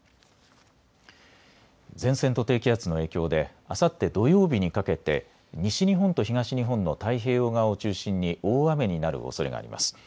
前線と低気圧の影響であさって土曜日にかけて西日本と東日本の太平洋側を中心に大雨になるおそれがあります。